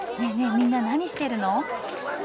みんな何してるの？